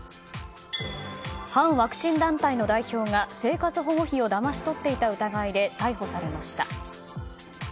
反ワクチン団体の代表が生活保護費をだまし取っていた疑いで逮捕されました。